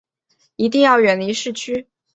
一定要远离市区